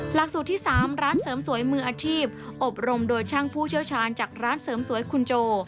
หลักสูตรที่๓ร้านเสริมสวยมืออาชีพอบรมโดยช่างผู้เชี่ยวชาญจากร้านเสริมสวยคุณโจ